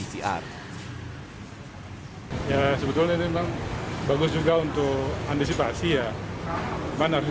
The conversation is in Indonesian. mungkin bisa diturunkan sedikit